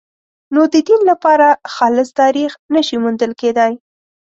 نو د دین لپاره خالص تاریخ نه شي موندل کېدای.